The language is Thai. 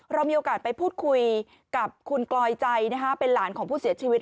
เรามีโอกาสไปพูดคุยกับคุณกลอยใจเป็นหลานของผู้เสียชีวิต